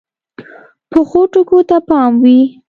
پخو ټکو ته پام وي